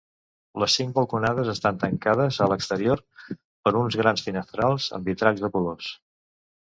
Les cinc balconades estan tancades a l'exterior per uns grans finestrals amb vitralls de colors.